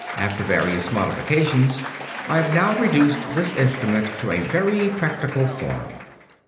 After various modifications I have now reduced this instrument to a very practical form.